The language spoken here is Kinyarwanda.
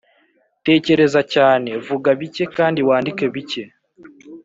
tekereza cyane, vuga bike kandi wandike bike